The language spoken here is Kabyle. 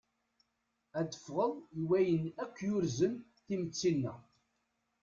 Ad ffɣeḍ i wayen akk yurzen timetti-nneɣ.